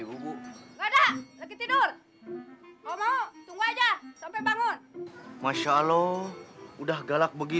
hei ngapain lu disini